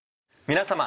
皆様。